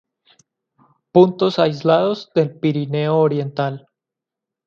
Puntos aislados del Pirineo oriental.